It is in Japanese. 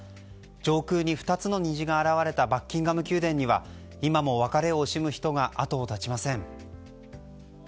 上空に２つの虹が現れたバッキンガム宮殿には今も別れを惜しむ人が後を絶ちません。